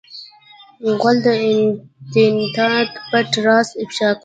غول د انتاناتو پټ راز افشا کوي.